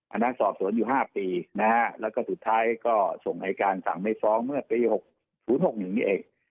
อันนั้นสอบสวนอยู่ห้าปีนะฮะแล้วก็สุดท้ายก็ส่งอายการสั่งไม่ฟ้องเมื่อปีหกศูนย์หกหนึ่งนี่เอง